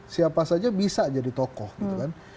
siapa saja bisa jadi tokoh gitu kan